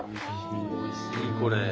おいしいこれ。